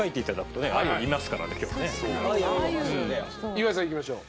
岩井さんいきましょう。